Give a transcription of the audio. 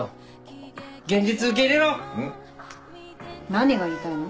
何が言いたいの？